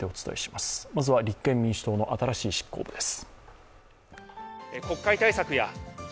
まずは、立憲民主党の新しい執行部です。